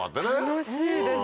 楽しいです。